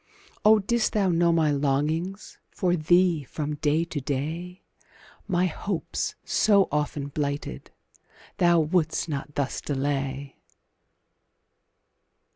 Oh, didst thou know my longings For thee, from day to day, My hopes, so often blighted, Thou wouldst not thus delay!